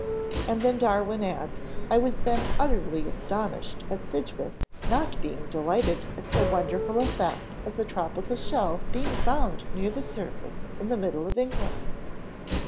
And then Darwin adds: "I was then utterly astonished at Sidgwick not being delighted at so wonderful a fact as a tropical shell being found near the surface in the middle of England.